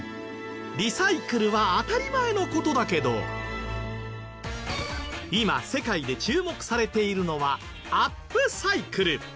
リサイクルは当たり前の事だけど今世界で注目されているのはアップサイクル。